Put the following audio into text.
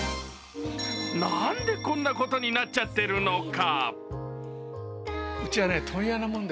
何でこんなことになっちゃってるのか？